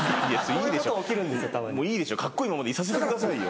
いいでしょカッコいいままでいさせてくださいよ。